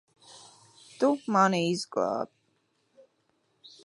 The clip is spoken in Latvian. Tu mani izglābi.